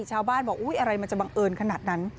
ชาวบ้านบอกอุ๊ยอะไรมันจะบังเอิญขนาดนั้น